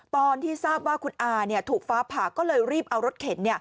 ตอนที่ทราบว่าคุณอาถูกฟ้าผ่าก็เลยรีบเอารถเข็น